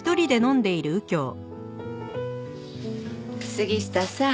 杉下さん。